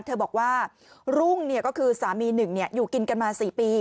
เธอบอกว่ารุ่งก็คือสามีหนึ่งอยู่กินกันมา๔ปี